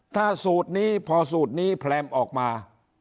ถ้าสูตรนี้พอสูตรนี้แพรมออกมา